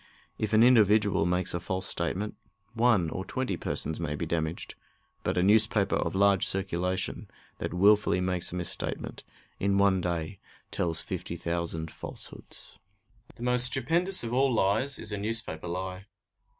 If an individual makes a false statement, one or twenty persons may be damaged; but a newspaper of large circulation that wilfully makes a misstatement in one day tells fifty thousand falsehoods. The most stupendous of all lies is a newspaper lie.